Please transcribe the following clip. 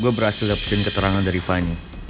gue berhasil dapetin keterangan dari fani